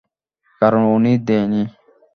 কারন উনি দেয় নি!